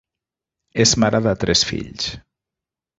És mare de tres fills.